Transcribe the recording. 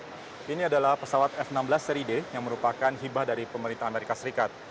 pesawat ini adalah pesawat f enam belas seri d yang merupakan hibah dari pemerintah amerika serikat